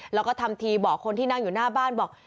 แล้วก็ทำทีบอกคนที่นั่งอยู่หน้าบ้านบอก